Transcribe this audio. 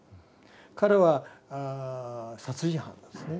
彼は殺人犯なんですね。